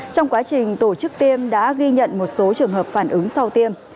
trong quá trình tổ chức tiêm đã ghi nhận một số trường hợp phản ứng sau tiêm